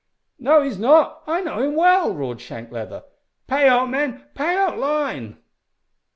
"No, he's not, I know him well!" roared Shank Leather. "Pay out, men pay out line!"